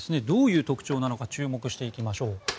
どういう特徴なのか注目していきましょう。